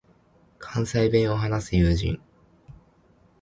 関西弁を話す友人